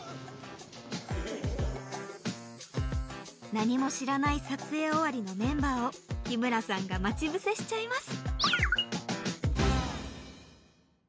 何も知らない撮影終わりのメンバーを日村さんが待ち伏せしちゃいます！